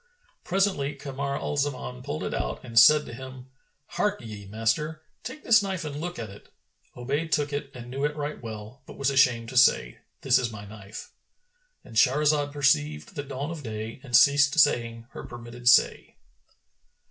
Presently Kamar al Zaman pulled it out and said to him, "Harkye, master; take this knife and look at it." Obayd took it and knew it right well, but was ashamed to say, "This is my knife;"— And Shahrazad perceived the dawn of day and ceased saying her permitted say.